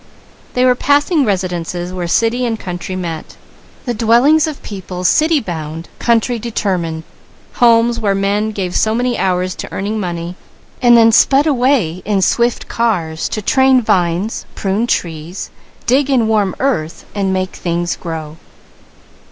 They were passing residences where city and country met. The dwellings of people city bound, country determined. Homes where men gave so many hours to earning money, then sped away to train vines, prune trees, dig in warm earth and make things grow.